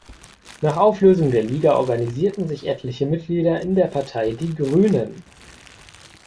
Nach Auflösung der Liga organisierten sich etliche Mitglieder in der Partei Die Grünen.